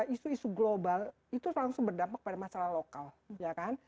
isu isu global itu langsung berdampak pada masalah lokal